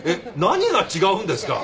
何が違うんですか？